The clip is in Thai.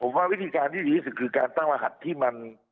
ผมว่าวิธีการที่อยู่ที่สุดการตั้งระหัดที่มัน